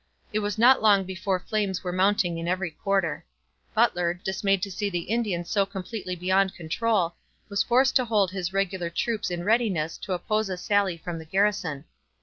It was not long before flames were mounting in every quarter. Butler, dismayed to see the Indians so completely beyond control, was forced to hold his regular troops in readiness to oppose a sally from the garrison.